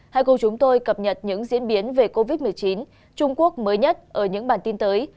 hãy cùng chúng tôi cập nhật những diễn biến về covid một mươi chín trung quốc mới nhất ở những bản tin tới